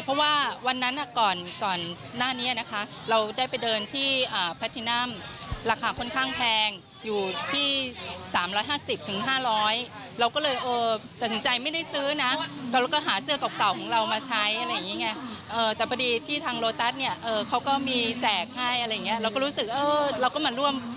เราก็รู้สึกเอ้อเราก็มาร่วมด้วยอะไรอย่างนี้ค่ะ